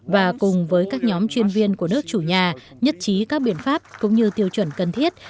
và cùng với các nhóm chuyên viên của nước chủ nhà nhất trí các biện pháp cũng như tiêu chuẩn cần thiết